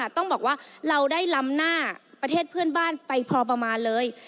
ต้องบอกว่าเราได้ล้ำหน้าประเทศเพื่อนบ้านไปพอประมาณเลย